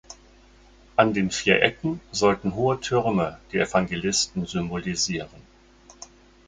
An den vier Ecken sollten hohe Türme die Evangelisten symbolisieren.